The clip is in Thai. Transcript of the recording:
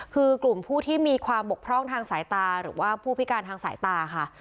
คือกลุ่มผู้ที่มีความบกพร่องทางสายตาหรือว่าผู้พิการทางสายตาค่ะ